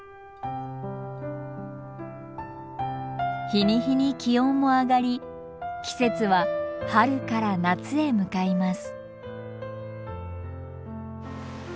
日に日に気温も上がり季節は春から夏へ向かいます。